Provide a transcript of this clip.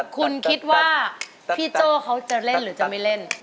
คุณคิดว่าพี่โจ้เขาจะเล่นหรือจะไม่เล่น